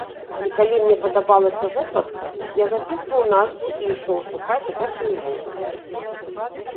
І калі мне падабалася вокладка, я запісваў назву і ішоў шукаць гэтую музыку.